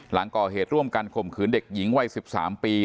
หลังก่อเหตุร่วมกันข่มขืนเด็กหญิงวัย๑๓ปี